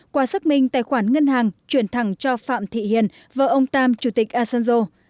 qua xác minh tài khoản ngân hàng chuyển thẳng cho phạm thị hiền vợ ông tam chủ tịch asanjo